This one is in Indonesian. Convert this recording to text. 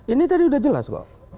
ini tadi udah jelas kok